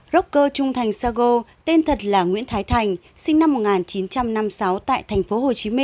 rocker trung thành sago tên thật là nguyễn thái thành sinh năm một nghìn chín trăm năm mươi sáu tại tp hcm